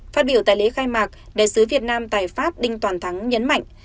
phát biểu tại lễ khai mạc đại sứ việt nam tại pháp đinh toàn thắng nhấn mạnh